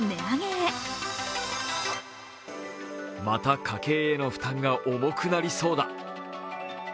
また、家計への負担が重くなりそうだ。